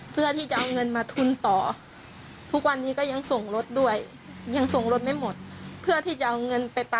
เพื่อที่จะเอาเงินไปตามหารถอดอีกคันนึง